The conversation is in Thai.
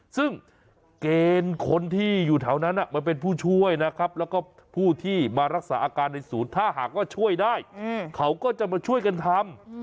ซึ่งเกณฑ์คนที่อยู่แถวนั้นมันเป็นผู้ช่วยนะครับแล้วก็ผู้ที่มารักษาอาการในศูนย์ถ้าหากว่าช่วยได้เขาก็จะมาช่วยกันทำ